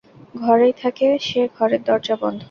ঘরেই থাকে, সে ঘরের দরজা বন্ধ।